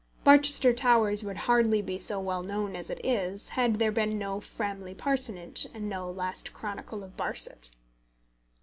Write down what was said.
Barchester Towers would hardly be so well known as it is had there been no Framley Parsonage and no Last Chronicle of Barset.